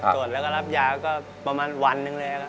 ตรวจแล้วก็รับยาก็ประมาณวันหนึ่งเลยครับ